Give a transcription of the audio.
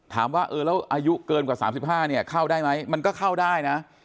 ถามว่าเออแล้วอายุเกินกว่า๓๕เนี่ยเข้าได้ไหมมันก็เข้าได้นะ